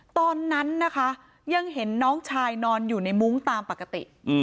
ตอนนั้นนะคะยังเห็นน้องชายนอนอยู่ในมุ้งตามปกติ